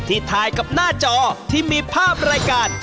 ถ่ายกับหน้าจอที่มีภาพรายการ